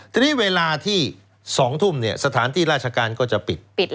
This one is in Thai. ทีนี้เวลาที่๒ทุ่มเนี่ยสถานที่ราชการก็จะปิด